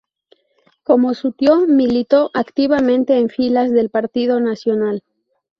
Como su tío, militó activamente en filas del partido Nacional.